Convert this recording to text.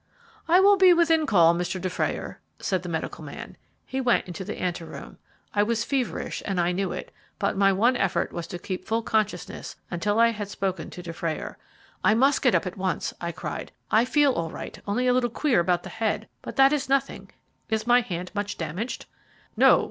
"I will be within call, Mr. Dufrayer," said the medical man. He went into the ante room. I was feverish, and I knew it, but my one effort was to keep full consciousness until I had spoken to Dufrayer. "I must get up at once," I cried. "I feel all right, only a little queer about the head, but that is nothing. Is my hand much damaged?" "No.